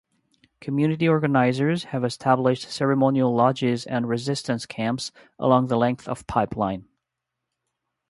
Community organizers have established ceremonial lodges and resistance camps along the length of pipeline.